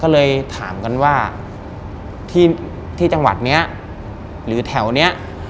ก็เลยถามกันว่าที่จังหวัดนี้หรือแถวเนี้ย